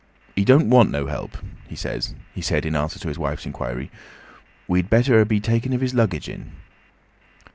"He don't want no help, he says," he said in answer to his wife's inquiry. "We'd better be a takin' of his luggage in."